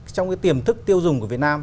trong cái tiềm thức tiêu dùng của việt nam